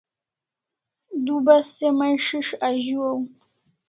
Du bas se mai s'is' azuaw